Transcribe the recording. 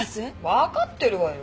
わかってるわよ。